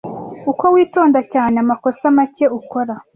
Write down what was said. Uko witonda cyane, amakosa make ukora.